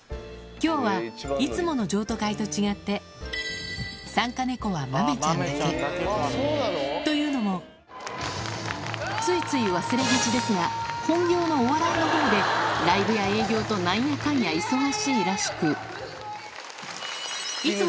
今日はいつもの譲渡会と違ってというのもついつい忘れがちですが本業のお笑いのほうでライブや営業と何やかんや忙しいらしく面白いよ。